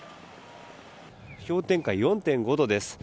氷点下４．５度です。